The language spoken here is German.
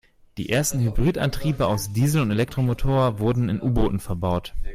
Die ersten Hybridantriebe aus Diesel- und Elektromotor wurden in U-Booten verbaut.